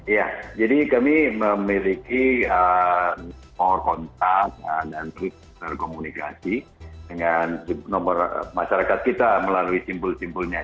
ya jadi kami memiliki kontak dan klip berkomunikasi dengan masyarakat kita melalui simbol simbolnya